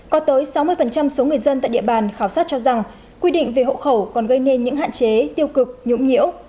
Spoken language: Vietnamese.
có tới sáu mươi số người dân tại địa bàn khảo sát cho rằng quy định về hộ khẩu còn gây nên những hạn chế tiêu cực nhũng nhiễu